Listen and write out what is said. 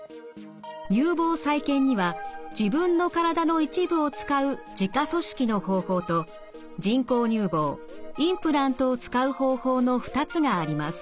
乳房再建には自分のからだの一部を使う自家組織の方法と人工乳房インプラントを使う方法の２つがあります。